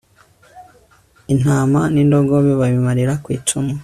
intama n'indogobe, babimarira ku icumu